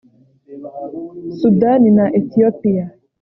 Sudani na Ethiopia